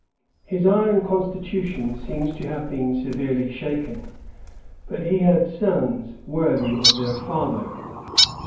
His iron constitution seems to have been severely shaken; but he had sons worthy of their father.